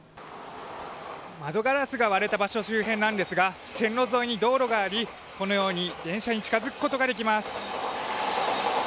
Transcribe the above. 窓ガラスが割れた場所周辺なんですが線路沿いに道路がありこのように電車に近づくことができます。